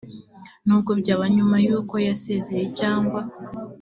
nubwo byaba nyuma yuko yasezeye cyangwa